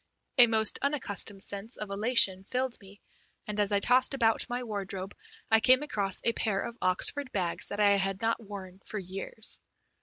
A most unaccustomed sense of elation filled me, and, as I tossed about my wardrobe, I came across a pair of Oxford bags that I had not worn for years.